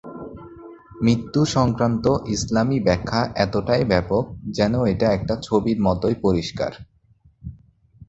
মৃত্যু সংক্রান্ত ইসলামী ব্যাখ্যা এতটাই ব্যাপক যেন এটা একটা ছবির মতই পরিষ্কার।